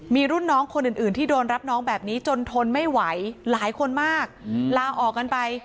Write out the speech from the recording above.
มีรุ่นน้องคนอื่นที่โดนรับน้องแบบนี้จนทนไม่ไหวหลายคนมากลาออกกันไป